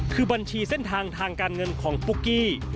คือบัญชีเส้นทางทางการเงินของปุ๊กกี้